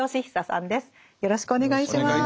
よろしくお願いします。